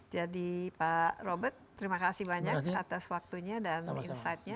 jadi pak robert terima kasih banyak atas waktunya dan insight nya